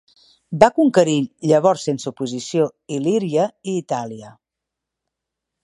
Va conquerir llavors sense oposició Il·líria i Itàlia.